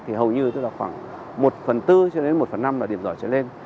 thì hầu như tức là khoảng một phần bốn cho đến một phần năm là điểm giỏi trở lên